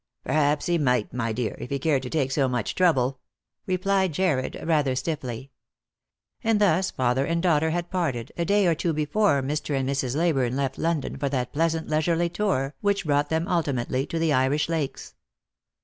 " Perhaps he might, my dear, if he cared to take so much trouble," replied Jarred, rather stiffly. And thus father and daughter had parted, a day or two before Mr. and Mrs. Leyburne left London for that pleasant leisurely tour which brought them ultimately to the Irish lakes.